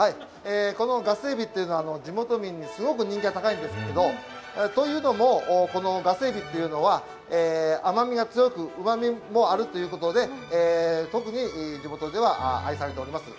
このガスエビ、地元民にすごく人気が高いんですけどというのも、このガスエビというのは甘みも強く、うまみあるということで特に地元では愛されております。